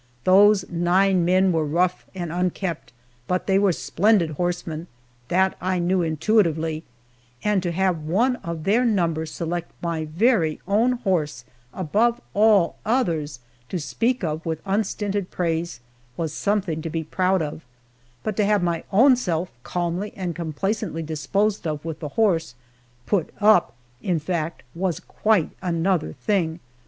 Those nine men were rough and unkempt, but they were splendid horsemen that I knew intuitively and to have one of their number select my very own horse above all others to speak of with unstinted praise, was something to be proud of, but to have my own self calmly and complacently disposed of with the horse "put up," in fact was quite another thing.